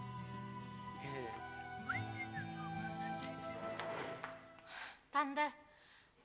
tante tante tuh kenapa sih